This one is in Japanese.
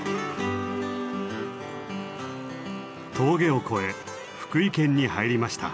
峠を越え福井県に入りました。